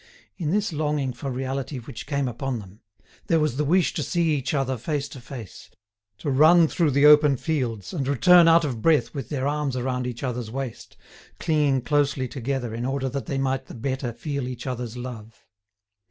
In this longing for reality which came upon them, there was the wish to see each other face to face, to run through the open fields, and return out of breath with their arms around each other's waist, clinging closely together in order that they might the better feel each other's love.